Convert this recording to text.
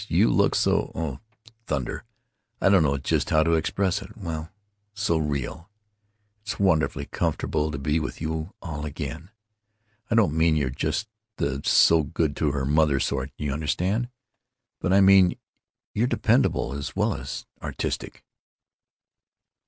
You look so—oh, thunder! I don't know just how to express it—well, so real! It's wonderfully comfortable to be with you all again. I don't mean you're just the 'so good to her mother' sort, you understand. But I mean you're dependable as well as artistic."